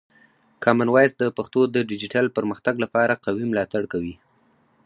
کامن وایس د پښتو د ډیجیټل پرمختګ لپاره قوي ملاتړ کوي.